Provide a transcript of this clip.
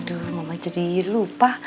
adeh momma jadi lupa